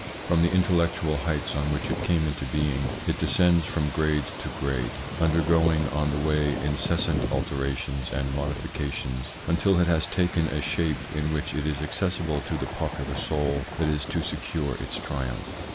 From the intellectual heights on which it came into being, it descends from grade to grade, undergoing on the way incessant alterations and modifications until it has taken a shape in which it is accessible to the popular soul that is to secure its triumph.